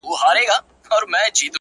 او راته وايي دغه’